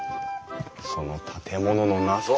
その建物の謎